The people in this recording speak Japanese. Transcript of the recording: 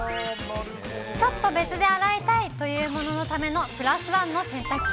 ちょっと別で洗いたいというもののための、プラス１の洗濯機。